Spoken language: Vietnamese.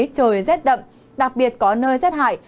trời rét đậm đặc biệt có nơi rét hại